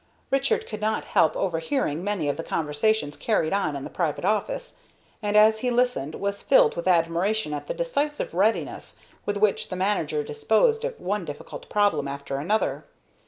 Richard could not help overhearing many of the conversations carried on in the private office, and, as he listened, was filled with admiration at the decisive readiness with which the manager disposed of one difficult problem after another.